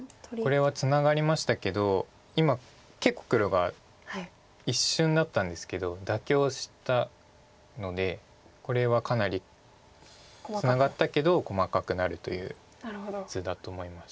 これはツナがりましたけど今結構黒が一瞬だったんですけど妥協したのでこれはかなりツナがったけど細かくなるという図だと思います。